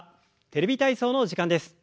「テレビ体操」の時間です。